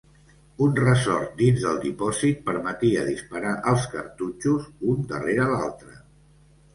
Un ressort dins del dipòsit permetia disparar els cartutxos un darrere l'altre.